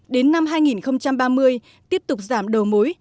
đến năm hai nghìn ba mươi tiếp tục giảm đầu mối